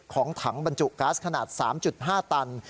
ของถังบรรจุก๊าซขนาด๓๕ตัน